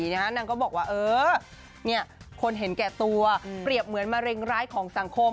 นางก็บอกว่าคนเห็นแก่ตัวเปรียบเหมือนมะเร็งร้ายของสังคม